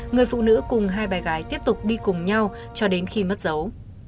người phụ nữ cùng hai bé gái tiếp tục đi cùng nhau cho đến khi mất dấu